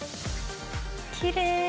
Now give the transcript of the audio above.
きれい。